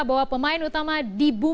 bahwa pemain utama di bumi